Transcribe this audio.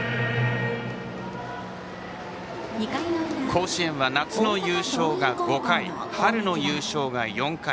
甲子園は夏の優勝が５回春の優勝が４回。